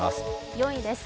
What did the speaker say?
４位です。